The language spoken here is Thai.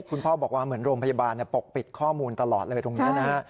คุณพ่อบอกว่าเหมือนโรงพยาบาลปกปิดข้อมูลตลอดเลยตรงนี้นะฮะ